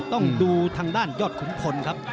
ต้องดูทางด้านยอดขุนพลครับ